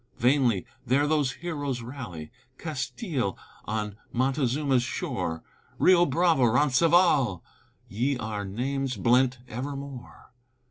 Vainly there those heroes rally, Castile on Montezuma's shore, "Rio Bravo" "Roncesvalles," Ye are names blent evermore.